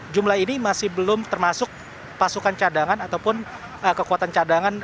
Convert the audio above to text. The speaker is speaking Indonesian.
jumlah ini masih belum termasuk pasukan cadangan ataupun kekuatan cadangan